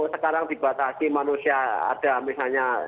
sekarang dibatasi manusia ada misalnya